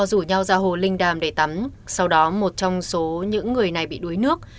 rủ nhau ra hồ linh đàm để tắm sau đó một trong số những người này bị đuối nước